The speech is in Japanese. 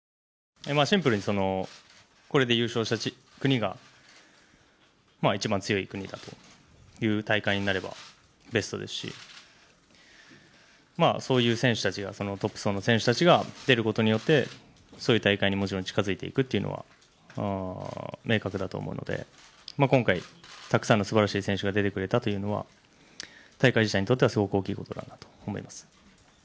シンプルに、これで優勝した国が一番強い国だという大会になればベストですし、そういう選手たち、トップ層の選手たちが出ることによってそういう大会にもちろん近づいていくというのは明確だと思うので今回、たくさんのすばらしい選手が出てくれたということは大会自体にとってはすごく大きいことだなと思います。